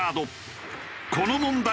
この問題